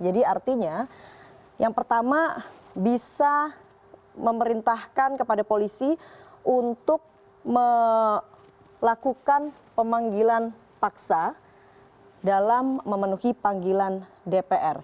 jadi artinya yang pertama bisa memerintahkan kepada polisi untuk melakukan pemanggilan paksa dalam memenuhi panggilan dpr